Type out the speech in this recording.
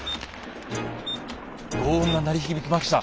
轟音が鳴り響きました。